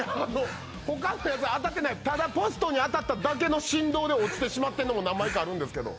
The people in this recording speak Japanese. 他のやつ当たってないただポストに当たっただけの振動で落ちてしまってるのも何枚かあるんですけど。